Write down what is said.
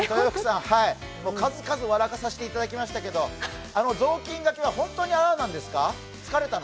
数々、笑かせていただきましたけど雑巾がけは本当に疲れたの？